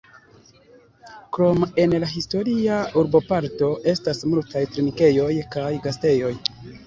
Krome en la historia urboparto estas multaj trinkejoj kaj gastejoj.